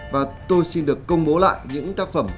và tôi xin được công bố lại những tác phẩm